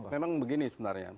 memang begini sebenarnya